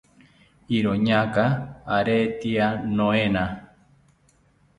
iroñaka aretya noena